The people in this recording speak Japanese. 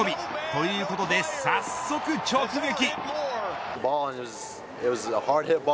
ということで早速直撃。